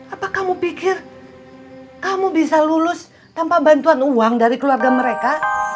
apa kamu pikir kamu bisa lulus tanpa bantuan uang dari keluarga mereka